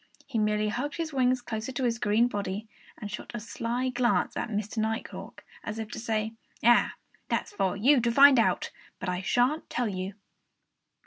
He merely hugged his wings closer to his green body, and shot a sly glance at Mr. Nighthawk, as if to say, "Ah! That's for you to find out! But I shan't tell you!"